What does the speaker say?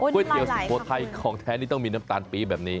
เตี๋ยวสุโขทัยของแท้นี่ต้องมีน้ำตาลปี๊บแบบนี้